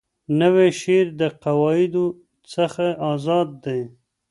نوی شعر د قواعدو څخه آزاده دی.